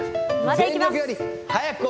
全力より速く。